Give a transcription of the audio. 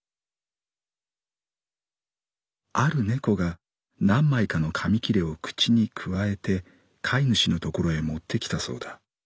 「ある猫が何枚かの紙きれを口にくわえて飼い主のところへ持ってきたそうだ。